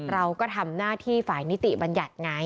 เราก็ทำหน้าที่ฝ่ายนิติบัญญัติไง